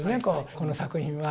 この作品は。